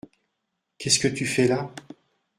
Qu’est-ce que tu fais là ?